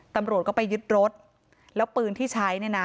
ตำรวจก็ไปยึดรถแล้วปืนที่ใช้เนี่ยนะ